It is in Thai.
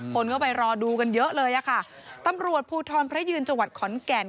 คนก็ไปรอดูกันเยอะเลยอะค่ะตำรวจภูทรพระยืนจังหวัดขอนแก่น